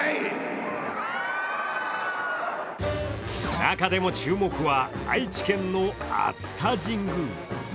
中でも注目は愛知県の熱田神宮。